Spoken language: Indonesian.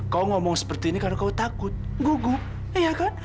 kau ngomong seperti ini karena kau takut gugup iya kan